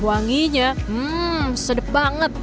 wanginya sedep banget